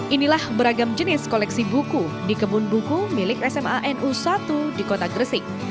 inilah beragam jenis koleksi buku di kebun buku milik sma nu satu di kota gresik